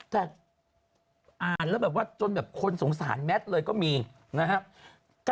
แต่อ่านแล้วแบบว่าจนแบบคนสงสารแมทเลยก็มีนะครับ